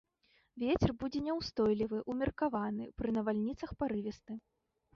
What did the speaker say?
Вецер будзе няўстойлівы ўмеркаваны, пры навальніцах парывісты.